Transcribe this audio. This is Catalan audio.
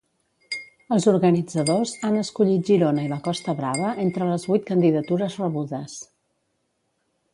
Els organitzadors han escollit Girona i la Costa Brava entre les vuit candidatures rebudes.